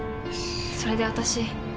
それで私。